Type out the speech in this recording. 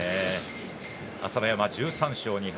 朝乃山は１３勝２敗。